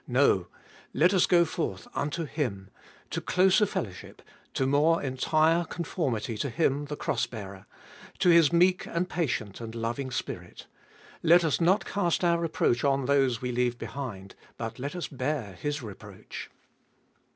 No, let us go forth unto Him ! to closer fellowship, to more entire conformity to Him the Cross bearer, to His meek and patient and loving spirit. Let us not cast our reproach on those we leave behind, but let us bear — His reproach.